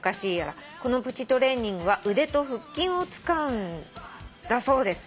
「このプチトレーニングは腕と腹筋を使うんだそうです」